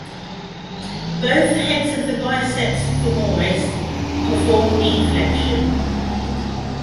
Both heads of the biceps femoris perform knee flexion.